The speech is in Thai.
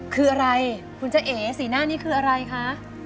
คืออะไรคุณเจ้าเอ๋สีหน้านี้คืออะไรคะ